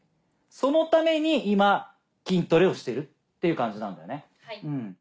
そのために今筋トレをしてるっていう感じなんだよね。